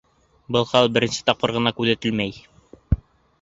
Был хәл беренсе тапҡыр ғына күҙәтелмәй.